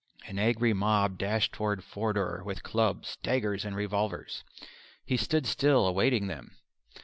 An angry mob dashed toward Forder with clubs, daggers and revolvers. He stood still awaiting them.